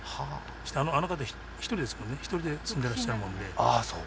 あの方、１人で住んでらっしゃるもんで。